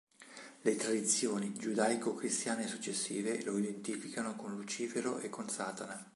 Le tradizioni giudaico-cristiane successive lo identificano con Lucifero e con Satana.